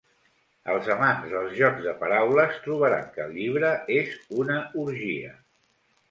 Els amants dels jocs de paraules trobaran que el llibre és una orgia.